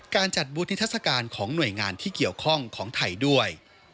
การจัดบุญนิทัศกาลของหน่วยงานที่เกี่ยวข้องของไทยด้วย